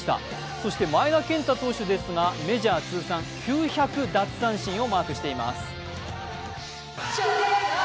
そして前田健太投手ですがメジャー通算９００奪三振をマークしています。